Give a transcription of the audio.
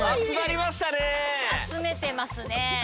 集めてますね。